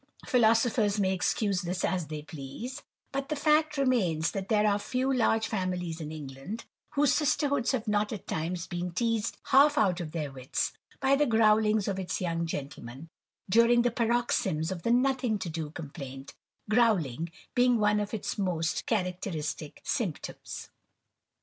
Philosophers may excuse this as they please, but the fact remains, that there are few large families in England, whose sisterhoods have not at times been teazed half out of their wits, by the growlings of its young gentlemen, during paroxysms of the nothing to do complaint; growling being one of its most characteristic symptoms.